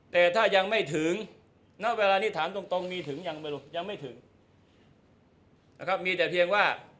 แต่ถ้ายังไม่ถึงเวลานี้ถามตรงมีถึงยังไม่ถึง